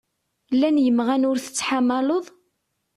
Llan yimɣan ur tettḥamaleḍ?